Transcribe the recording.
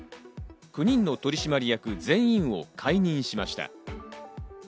９人の取締役全員を解任しました。